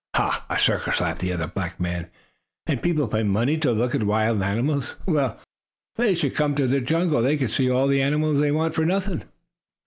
"Ha! A circus!" laughed the other black man. "And people pay money to look at wild animals? Well, they should come to the jungle. They could see all the animals they want for nothing."